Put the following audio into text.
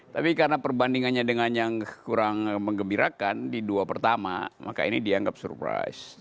tapi karena perbandingannya dengan yang kurang mengembirakan di dua pertama maka ini dianggap surprise